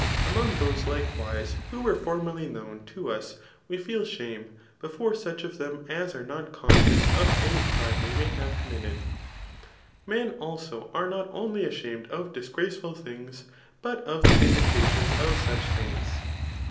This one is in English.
] /Among those likewise who weraforniierly known to us we fed shame befdre such of them as are not OBQScioos Qof any crime we may have committed] Men: also are not only ashamed of disgraceful tl»gS| but of tbe indicadbns of such things.